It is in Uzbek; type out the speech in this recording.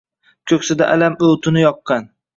Koʻksida alam oʻtini yoqqan